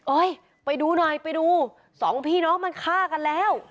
ไปดูหน่อยไปดูสองพี่น้องมันฆ่ากันแล้ว